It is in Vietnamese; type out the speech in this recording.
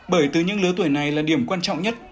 bởi từ những lứa tuổi này là điểm quan trọng nhất cho trẻ mầm